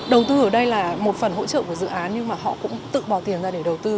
đầu tư ở đây là một phần hỗ trợ của dự án nhưng mà họ cũng tự bỏ tiền ra để đầu tư